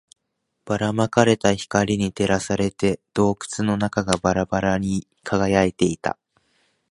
ばら撒かれた光に照らされて、洞窟の中がまばらに輝いていた